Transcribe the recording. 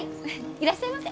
いらっしゃいませ！